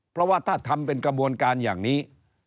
เพราะว่าถ้าทำเป็นกระบวนการอย่างนี้